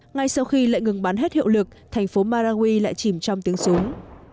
ngay sau khi lệnh ngừng bắn hết hiệu lực thành phố marawi lại chìm trong tiếng súng